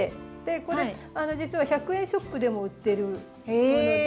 これ実は１００円ショップでも売ってるもので。